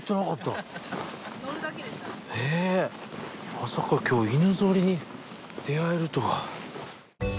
まさか今日犬ぞりに出合えるとは。